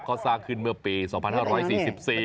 เขาสร้างขึ้นเมื่อปี๒๕๔๔